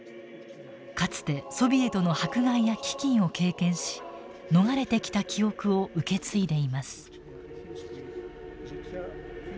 かつてソビエトの迫害や飢饉を経験し逃れてきた記憶を受け継いでいます。